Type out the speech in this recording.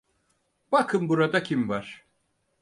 Bakın burada kim var.